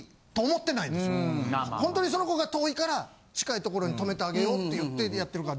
ほんとにその子が遠いから近い所に泊めてあげようっていってやってるから。